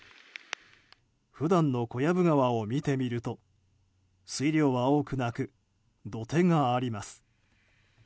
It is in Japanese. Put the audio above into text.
普段の小藪川を見てみると水量は多くなく土手があります。